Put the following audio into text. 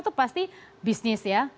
itu pasti bisnis ya